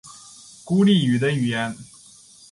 孤立语的语言。